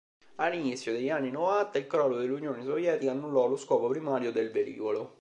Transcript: All'inizio degli anni novanta il crollo dell'Unione Sovietica annullò lo scopo primario del velivolo.